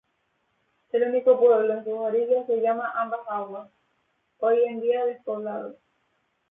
El único pueblo en sus orillas se llama Ambas Aguas, hoy en día despoblado.